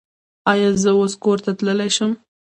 ایا زه اوس کور ته تلی شم؟